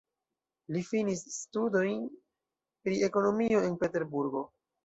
Li finis studojn pri ekonomio en Peterburgo.